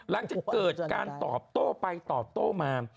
หลังจากเกิดการตอบโต้ไปตอบโต้มา